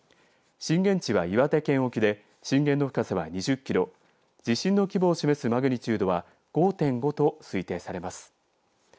震源地は岩手県沖で震源の深さは２０キロ地震の規模を示すマグニチュードは５．５と推定されます。